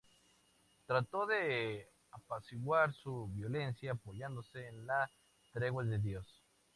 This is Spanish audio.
Trató de apaciguar su violencia apoyándose en la tregua de Dios.